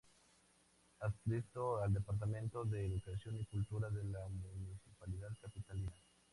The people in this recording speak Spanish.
Adscrito al Departamento de Educación y Cultura de la Municipalidad Capitalina.